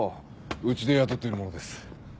うちで雇ってる者です。